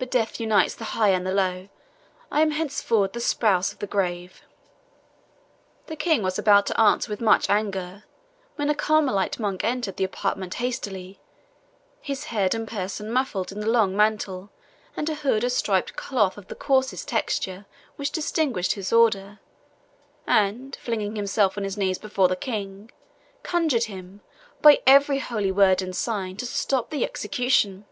But death unites the high and the low I am henceforward the spouse of the grave." The King was about to answer with much anger, when a Carmelite monk entered the apartment hastily, his head and person muffled in the long mantle and hood of striped cloth of the coarsest texture which distinguished his order, and, flinging himself on his knees before the King, conjured him, by every holy word and sign, to stop the execution.